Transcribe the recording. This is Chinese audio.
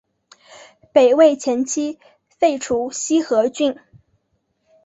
北魏前期废除西河郡。